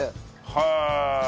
へえ！